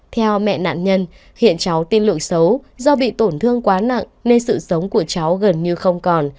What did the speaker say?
theo mẹ nạn nhân hiện cháu tiên lượng xấu do bị tổn thương quá nặng nên sự sống của cháu gần như không còn